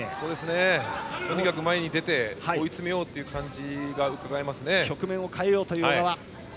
とにかく前に出て追い詰めようという感じがうかがえます。